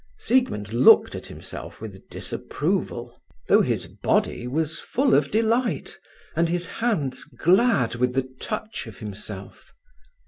Siegmund looked at himself with disapproval, though his body was full of delight and his hands glad with the touch of himself.